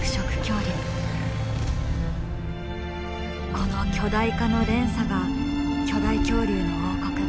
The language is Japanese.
この巨大化の連鎖が巨大恐竜の王国